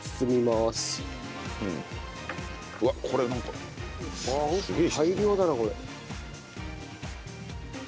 すげえ大量だなこれ。